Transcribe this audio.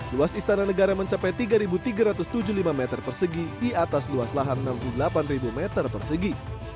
luas istana negara mencapai tiga tiga ratus tujuh puluh lima meter persegi di atas luas lahan enam puluh delapan meter persegi